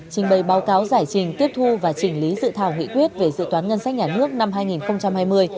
trình bày báo cáo giải trình tiếp thu và chỉnh lý dự thảo nghị quyết về dự toán ngân sách nhà nước năm hai nghìn hai mươi